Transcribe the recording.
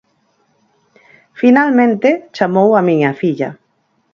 Finalmente, chamou a miña filla.